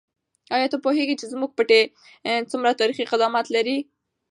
آیا ته پوهېږې چې زموږ پټی څومره تاریخي قدامت لري؟